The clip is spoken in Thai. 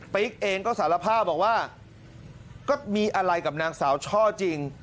เองก็สารภาพบอกว่าก็มีอะไรกับนางสาวช่อจริง